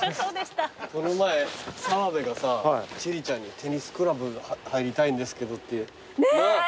この前澤部がさ千里ちゃんにテニスクラブ入りたいんですけどって。